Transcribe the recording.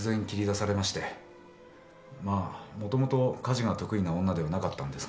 まあもともと家事が得意な女ではなかったんですが。